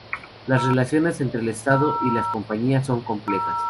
Las relaciones entre el Estado y las compañías son complejas.